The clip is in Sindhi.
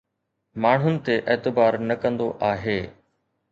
ماڻهن تي اعتبار نه ڪندو آهي